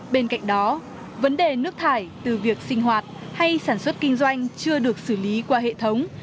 bên cạnh đó vấn đề nước thải từ việc sinh hoạt hay sản xuất kinh doanh chưa được xử lý qua hệ thống